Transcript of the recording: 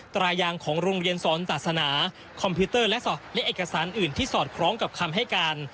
ตายางของโรงเรียนสอนศาสนาคอมพิวเตอร์และเอกสารอื่นที่สอดคล้องกับคำให้การ